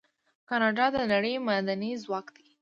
کاناډا د نړۍ معدني ځواک دی.